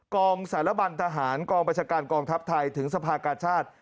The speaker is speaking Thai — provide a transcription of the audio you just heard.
กองสารบันทหารกองประชาการกองทัพไทยถึงสภากาชาติ